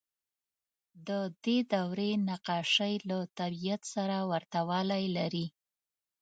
د دې دورې نقاشۍ له طبیعت سره ورته والی لري.